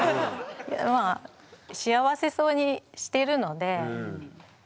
まあ幸せそうにしてるので遠いな。